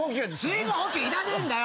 水分補給いらねえんだよ！